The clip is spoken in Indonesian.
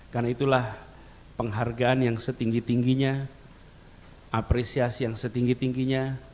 karena itulah penghargaan yang setinggi tingginya apresiasi yang setinggi tingginya